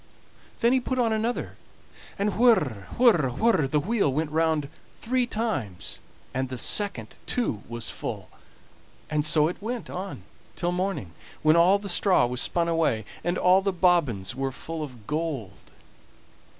Then he put on another, and whir, whir, whir, the wheel went round three times, and the second too was full; and so it went on till the morning, when all the straw was spun away, and all the bobbins were full of gold.